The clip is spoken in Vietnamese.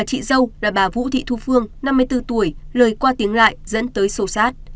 chị dâu là bà vũ thị thu phương năm mươi bốn tuổi lời qua tiếng lại dẫn tới sầu sát